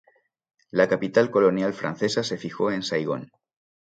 La capital colonial francesa se fijó en Saigón.